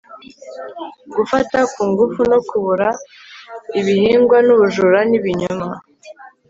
Gufata ku ngufu no kubora ibihingwa nubujura nibinyoma